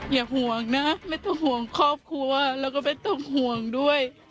อย่าห่วงนะไม่ต้องห่วงครอบครัวแล้วก็ไม่ต้องห่วงด้วย